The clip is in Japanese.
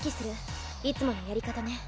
いつものやり方ね。